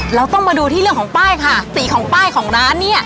เราต้องมาดูที่เรื่องของป้ายค่ะสีของป้ายของร้านเนี่ย